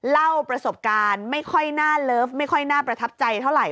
เล่าประสบการณ์ไม่ค่อยน่าเลิฟไม่ค่อยน่าประทับใจเท่าไหร